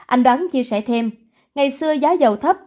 anh đoán chia sẻ thêm ngày xưa giá dầu thấp